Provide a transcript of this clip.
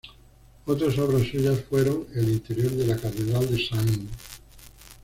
Otras obras suyas fueron el interior de la Catedral de St.